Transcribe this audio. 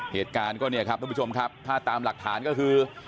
เหตุการณ์ก็เนี่ยครับทุกผู้ชมครับถ้าตามหลักฐานก็คือ